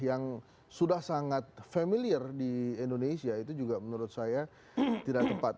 yang sudah sangat familiar di indonesia itu juga menurut saya tidak tepat